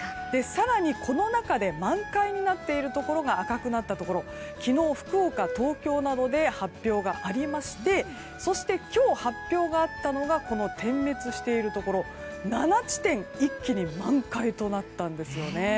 更に、この中で満開になっているところが赤くなったところ昨日、福岡、東京などで発表がありましてそして、今日発表があったのがこの点滅しているところ７地点一気に満開となったんです。